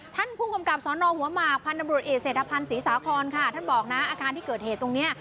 ท่านผู้กำกับสอนอหัวหมากพันธบรวจเอกเศรษฐภัณฑ์ศรีสาคอนค่ะท่านบอกนะอาคารที่เกิดเหตุตรงเนี้ย